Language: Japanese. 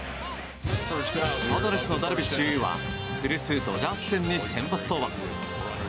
パドレスのダルビッシュ有は古巣ドジャース戦に先発登板。